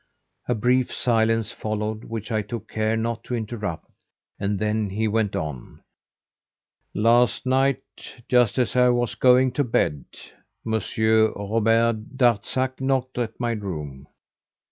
A brief silence followed, which I took care not to interrupt, and then he went on: "Last night, just as I was going to bed, Monsieur Robert Darzac knocked at my room.